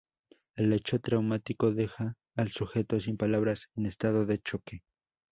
El hecho traumático deja al sujeto sin palabras, en estado de choque.